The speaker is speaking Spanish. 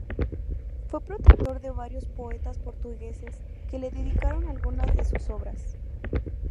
Fue protector de varios poetas portugueses, que le dedicaron algunas de sus obras.